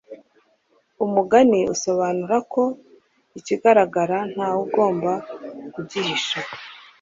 umugani usobanura ko ikigaragara ntawugomba kugihisha